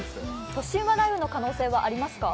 都心は雷雨の可能性はありますか？